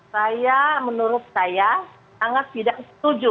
saya menurut saya sangat tidak setuju